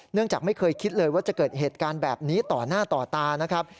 จากไม่เคยคิดเลยว่าจะเกิดเหตุการณ์แบบนี้ต่อหน้าต่อตานะครับ